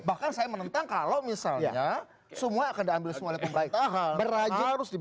bahkan saya menentang kalau misalnya semua akan diambil semua oleh pemerintah